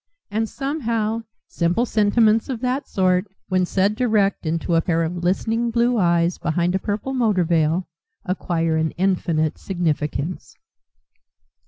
And somehow simple sentiments of that sort, when said direct into a pair of listening blue eyes behind a purple motor veil, acquire an infinite significance.